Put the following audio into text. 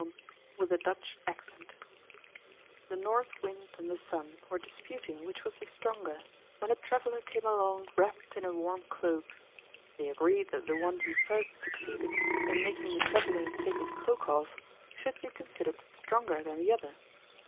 Orthographic version The North Wind and the Sun were disputing which was the stronger, when a traveler came along wrapped in a warm cloak. They agreed that the one who first succeeded in making the traveler take his cloak off should be considered stronger than the other.